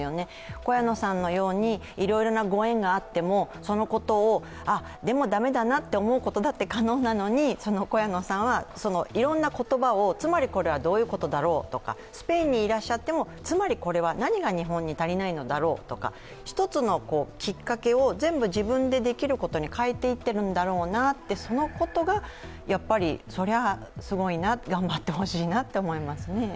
小谷野さんのようにいろいろなご縁があっても、でも駄目だなと思うことだって可能なのに小谷野さんはいろんな言葉を、つまりこれはどういうことだろうとか、スペインにいらっしゃってもつまりこれは何が日本に足りないのだろうとか一つのきっかけを全部自分でできることに変えていってるんだろうなって、そのことがすごいな、頑張ってほしいなと思いますね。